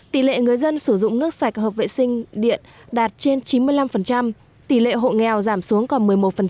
tỷ lệ người dân sử dụng nước sạch hợp vệ sinh điện đạt trên chín mươi năm tỷ lệ hộ nghèo giảm xuống còn một mươi một